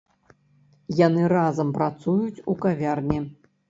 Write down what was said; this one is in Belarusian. Яны разам працуюць у кавярні.